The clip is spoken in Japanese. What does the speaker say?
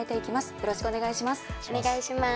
よろしくお願いします。